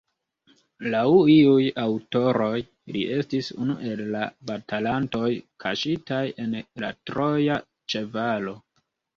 Laŭ iuj aŭtoroj, li estis unu el la batalantoj kaŝitaj en la troja ĉevalo.